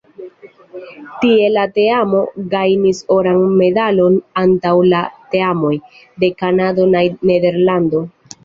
Tie la teamo gajnis oran medalon antaŭ la teamoj de Kanado kaj Nederlando.